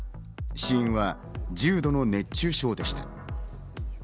死因は重度の熱中症でした。